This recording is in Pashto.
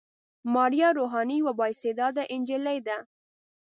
ماريه روحاني يوه با استعداده نجلۍ ده.